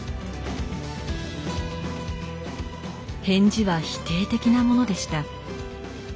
返事は否定的なものでした。